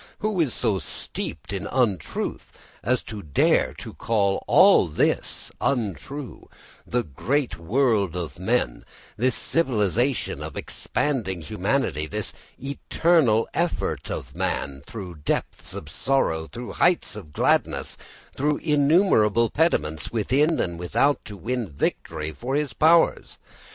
Who so steeped in untruth as to dare to call all this untrue this great world of men, this civilisation of expanding humanity, this eternal effort of man, through depths of sorrow, through heights of gladness, through innumerable impediments within and without, to win victory for his powers?